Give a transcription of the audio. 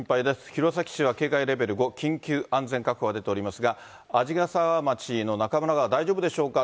弘前市は警戒レベル５、緊急安全確保が出ておりますが、鯵ヶ沢町の中村川は大丈夫でしょうか。